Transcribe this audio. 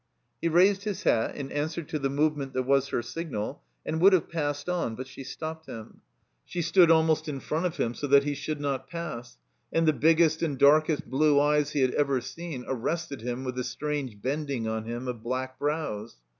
He raised his hat in answer to the movement that was her signal, and would have passed on, but she stopped him. She stood almost in front of htm, so that he should not pass. And the biggest and dark est blue eyes he had ever seen arrested him with a strange bending on him of black brows.